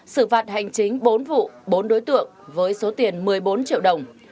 xử phạt hành chính bốn vụ bốn đối tượng với số tiền một mươi bốn triệu đồng